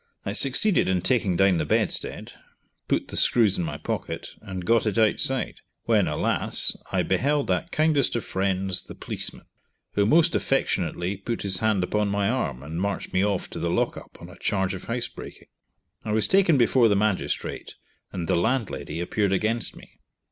I succeeded in taking down the bedstead, put the screws in my pocket, and got it outside, when, alas, I beheld that kindest of friends, the policeman, who most affectionately put his hand upon my arm and marched me off to the lockup on a charge of house breaking. I was taken before the magistrate and the landlady appeared against me.